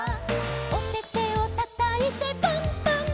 「おててをたたいてパンパンパン！！」